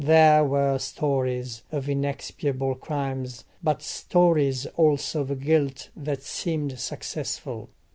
There were stories of inexpiable crimes, but stories also of guilt that seemed successful.